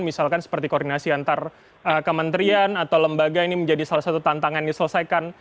misalkan seperti koordinasi antar kementerian atau lembaga ini menjadi salah satu tantangan diselesaikan